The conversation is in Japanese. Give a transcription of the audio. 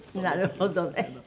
なるほどね。